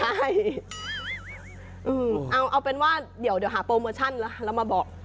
ใช่เอาเป็นว่าเดี๋ยวหาโปรโมชั่นแล้วเรามาบอก